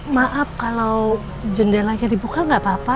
maaf kalau jendelanya dibuka nggak apa apa